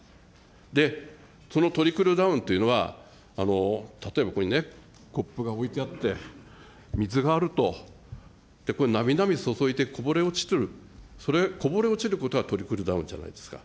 で、そのトリクルダウンというのは、例えばここにね、コップが置いてあって、水があると、並々注いで、こぼれ落ちる、それ、こぼれ落ちることがトリクルダウンじゃないですか。